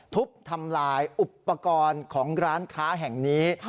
ทุบทำลายอุปกรณ์ของร้านค้าแห่งนี้